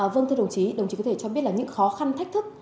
vâng thưa đồng chí đồng chí có thể cho biết là những khó khăn thách thức